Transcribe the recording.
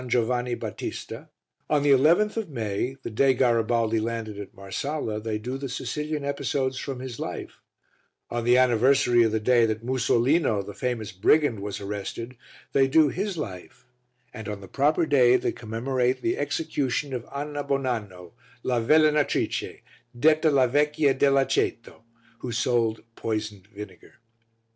Giovanni Battista; on the 11th of May, the day Garibaldi landed at Marsala, they do the Sicilian episodes from his life; on the anniversary of the day that Musolino, the famous brigand, was arrested, they do his life and on the proper day they commemorate the execution of Anna Bonanno, la Velenatrice, detta la Vecchia dell' Aceto, who sold poisoned vinegar.